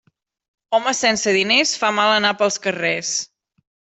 Home sense diners fa mal anar pels carrers.